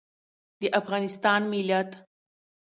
د افغانستان ملت